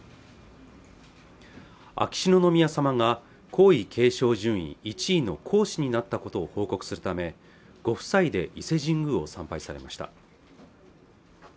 秋篠宮さまが皇位継承順位１位の皇嗣になったことを報告するためご夫妻で伊勢神宮を参拝されました